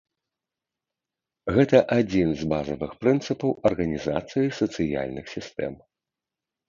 Гэта адзін з базавых прынцыпаў арганізацыі сацыяльных сістэм.